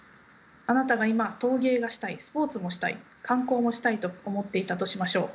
あなたが今陶芸がしたいスポーツもしたい観光もしたいと思っていたとしましょう。